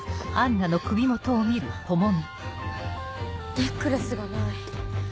ネックレスがない。